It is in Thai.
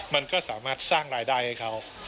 มันก็สามารถสร้างรายได้ให้เขา